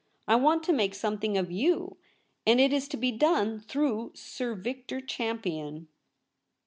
I want to make something of you, and it is to be done through Sir Victor Champion.'